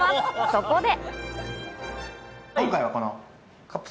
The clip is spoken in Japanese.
そこで。